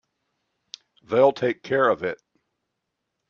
They'll take care of it.